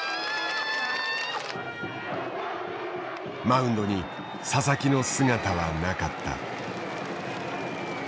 マウンドに佐々木の姿はなかった。